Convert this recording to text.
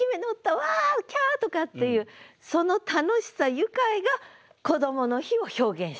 「うわ」「キャー」とかっていうその楽しさ愉快が「こどもの日」を表現してる。